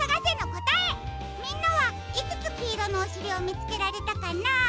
みんなはいくつきいろのおしりをみつけられたかな？